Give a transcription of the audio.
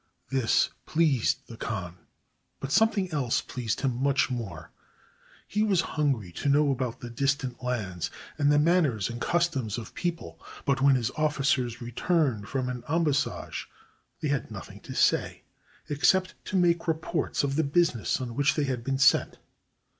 This pleased the khan, but something else pleased him much more. He was hungry to know about the distant lands and the manners and customs of people; but when his officers returned from an embassage, they had nothing to say except to make reports of the business on which they had been sent.